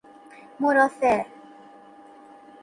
مرافعه